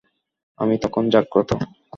আমি তখন জাগ্রত।